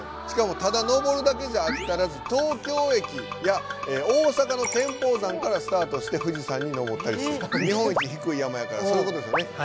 しかもただ登るだけじゃあきたらず東京駅や大阪の天保山からスタートして富士山に登ったりした日本一低い山やからそういうことですよね。